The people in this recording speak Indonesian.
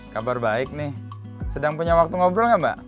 kabar baik nih sedang punya waktu ngobrol nggak mbak